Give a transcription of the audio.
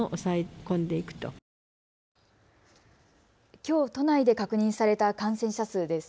きょう都内で確認された感染者数です。